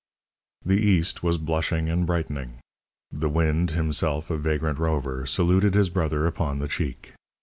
The east was blushing and brightening. The wind, himself a vagrant rover, saluted his brother upon the cheek.